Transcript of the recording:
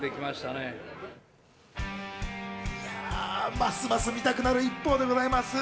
ますます見たくなる一方でございます。